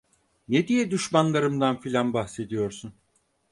Ne diye düşmanlarımdan filan bahsediyorsun?